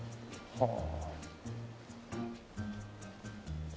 はあ。